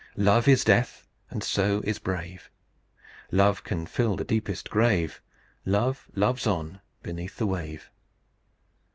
Love is death, and so is brave. Love can fill the deepest grave. Love loves on beneath the wave."